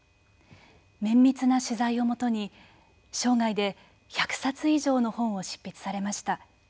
綿密な取材を基に生涯で１００冊以上の本を執筆されました。